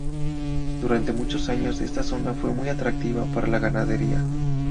Durante muchos años esta zona fue muy atractiva para la ganadería.